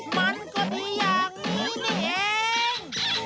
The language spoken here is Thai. มันก็ดีอย่างนี้นี่เอง